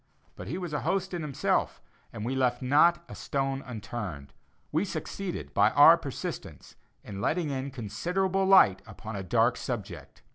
But he was a host in himself, and we left not a stone unturned; we succeeded by our persistence, in letting in considerable light upon a dark subject.